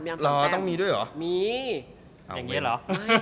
ตรวจดูงชะตาครับ